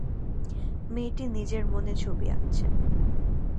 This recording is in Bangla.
মেয়েটি নিজের মনে ছবি আঁকছে।